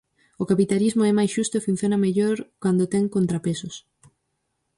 O capitalismo é máis xusto e funciona mellor cando ten contrapesos.